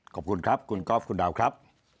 ขอบคุณครับคุณก๊อฟคุณดาวครับ